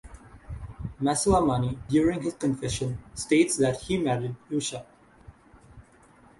Masilamani during his confession states that he married Usha.